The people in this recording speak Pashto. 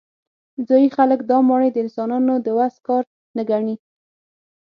ځايي خلک دا ماڼۍ د انسانانو د وس کار نه ګڼي.